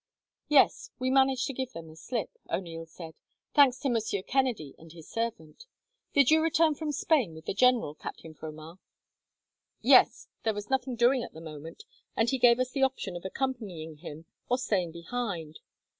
"Yes, we managed to give them the slip," O'Neil said, "thanks to Monsieur Kennedy and his servant. Did you return from Spain with the general, Captain Fromart?" "Yes. There was nothing doing at the moment, and he gave us the option of accompanying him or staying behind.